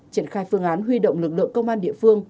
triển khai phương án huy động lực lượng công an địa phương